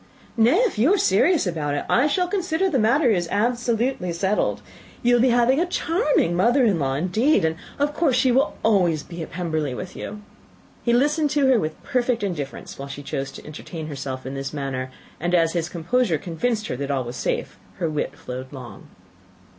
"Nay, if you are so serious about it, I shall consider the matter as absolutely settled. You will have a charming mother in law, indeed, and of course she will be always at Pemberley with you." He listened to her with perfect indifference, while she chose to entertain herself in this manner; and as his composure convinced her that all was safe, her wit flowed along.